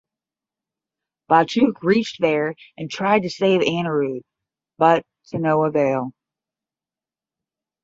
Batuk reached there and tried to save Anirudh but to no avail.